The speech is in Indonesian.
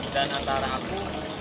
dan antara aku